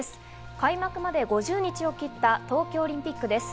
開幕まで５０日を切った東京オリンピックです。